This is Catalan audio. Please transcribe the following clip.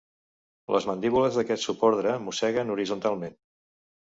Les mandíbules d'aquest subordre mosseguen horitzontalment.